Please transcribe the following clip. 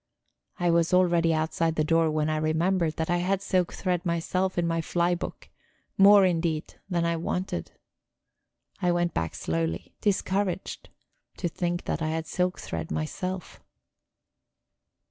I was already outside the door when I remembered that I had silk thread myself in my fly book; more indeed than I wanted. And I went back slowly, discouraged to think that I had silk thread myself.